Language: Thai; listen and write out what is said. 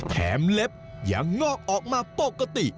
เล็บยังงอกออกมาปกติ